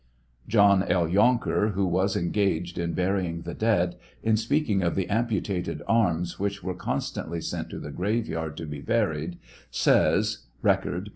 John L. Yonker, who was engaged in burying the dead, in speaking of the amputated arms which were constantly sent to the graveyard to be buried, says, (Record, p.